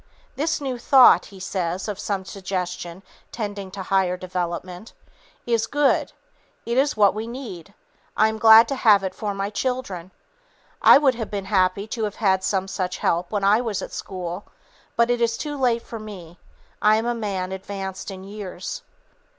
"This new thought," he says of some suggestion tending to higher development, "is good; it is what we need. I am glad to have it for my children; I would have been happy to have had some such help when I was at school, but it is too late for me. I am a man advanced in years."